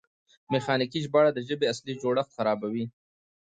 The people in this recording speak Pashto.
میخانیکي ژباړه د ژبې اصلي جوړښت خرابوي.